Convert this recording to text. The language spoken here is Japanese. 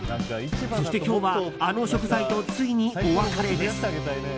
そして、今日はあの食材とついにお別れです。